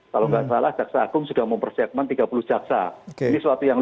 kalau nggak salah jaksa akung sudah mempersekmen tiga puluh jaksa ini sesuatu yang